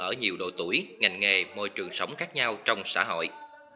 ở nhiều độ tuổi ngành nghề môi trường sống khác nhau trong xã hội